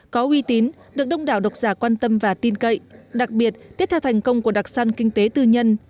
có uy tín được đông đảo độc giả quan tâm và tin cậy đặc biệt tiếp theo thành công của đặc sản kinh tế tư nhân